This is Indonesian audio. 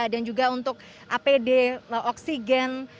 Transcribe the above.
dan juga untuk apd oksigen